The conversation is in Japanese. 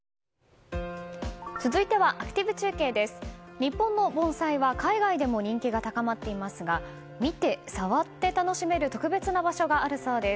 日本の盆栽は海外でも人気が高まっていますが見て、触って楽しめる特別な場所があるそうです。